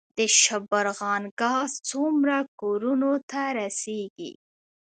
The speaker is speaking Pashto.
د شبرغان ګاز څومره کورونو ته رسیږي؟